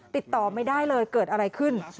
ติดต่อไม่ได้เลยเกิดอะไรขึ้น